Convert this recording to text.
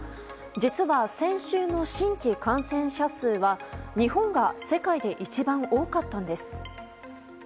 実は、先週の新規感染者数は日本が世界で一番多かったんです。